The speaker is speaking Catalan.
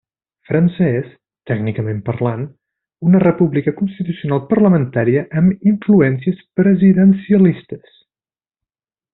França és, tècnicament parlant, una república constitucional parlamentària amb influències presidencialistes.